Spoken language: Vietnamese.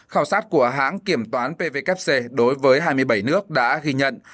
khảo sát của hãng kiểm toán pvkc đối với hai mươi bảy nước đã ghi nhận